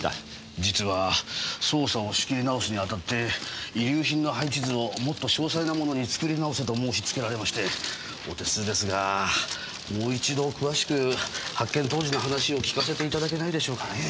実は捜査を仕切り直すにあたって遺留品の配置図をもっと詳細なものに作り直せと申しつけられましてお手数ですがもう一度詳しく発見当時の話を聞かせていただけないでしょうかねぇ？